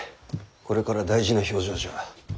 これから大事な評定じゃ。